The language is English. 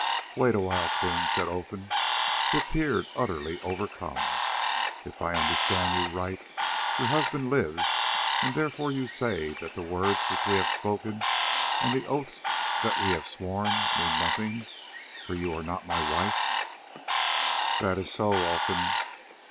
"Wait awhile, Queen," said Olfan, who appeared utterly overcome. "If I understand you right, your husband lives, and therefore you say that the words which we have spoken and the oaths that we have sworn mean nothing, for you are not my wife." "That is so, Olfan."